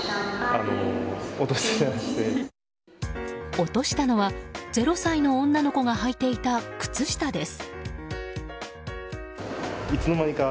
落としたのは０歳の女の子がはいていた靴下です。